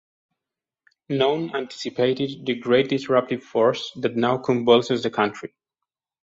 None anticipated the great disruptive force that now convulses the country.